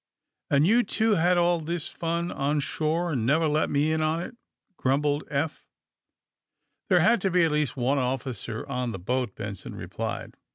And you two had all this fun on shore, and never let me in on it," grumbled Eph. '^ There had to be at least one officer on the boat," Benson replied.